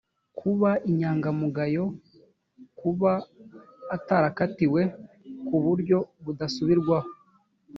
kuba inyangamugayo, kuba atarakatiwe ku buryo budasubirwaho